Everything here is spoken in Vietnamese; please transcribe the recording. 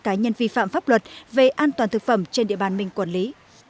cá nhân vi phạm pháp luật về an toàn thực phẩm trên địa bàn mình quản lý